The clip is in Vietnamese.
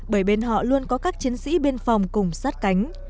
bởi bên họ luôn có các chiến sĩ biên phòng cùng sát cánh